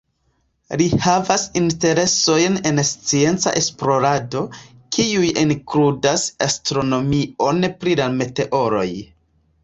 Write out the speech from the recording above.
Li havas interesojn en scienca esplorado, kiuj inkludas astronomion pri la meteoroj.